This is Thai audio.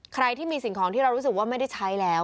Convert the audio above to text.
ใครที่มีสิ่งของที่เรารู้สึกว่าไม่ได้ใช้แล้ว